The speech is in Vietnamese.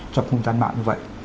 trong công tác mạng như vậy